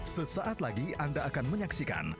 sesaat lagi anda akan menyaksikan